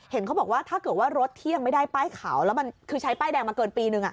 เห็นเขาบอกว่าถ้าเกิดว่ารถที่ยังไม่ได้ป้ายขาวแล้วมันคือใช้ป้ายแดงมาเกินปีนึง